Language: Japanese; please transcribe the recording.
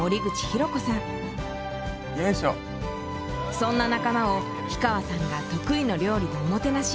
そんな仲間を氷川さんが得意の料理でおもてなし。